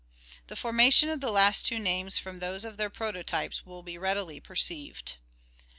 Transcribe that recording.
The formation of the last two names from those of their prototypes will be readily perceived.